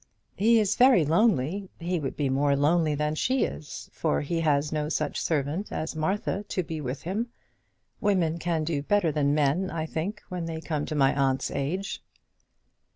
"He is very lonely. He would be more lonely than she is, for he has no such servant as Martha to be with him. Women can do better than men, I think, when they come to my aunt's age."